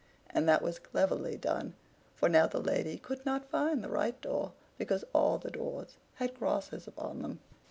And that was cleverly done, for now the lady could not find the right door, because all the doors had crosses upon them.